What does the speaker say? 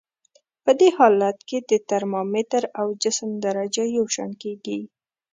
په دې حالت کې د ترمامتر او جسم درجه یو شان کیږي.